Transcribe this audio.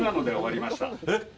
えっ！